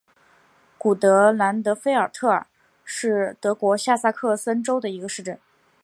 古德兰德菲尔特尔是德国下萨克森州的一个市镇。